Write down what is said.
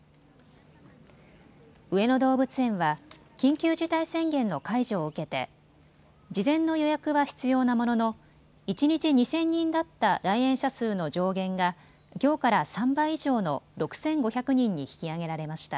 上野動物園は緊急事態宣言の解除を受けて事前の予約は必要なものの一日２０００人だった来園者数の上限が、きょうから３倍以上の６５００人に引き上げられました。